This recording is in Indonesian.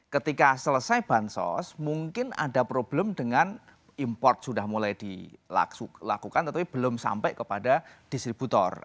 ketika selesai bansos mungkin ada problem dengan import sudah mulai dilakukan tetapi belum sampai kepada distributor